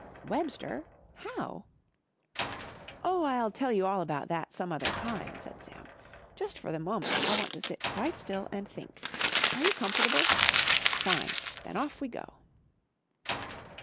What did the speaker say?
"Webster? How?" "Oh, I'll tell you all about that some other time," said Sam. "Just for the moment I want to sit quite still and think. Are you comfortable? Fine! Then off we go."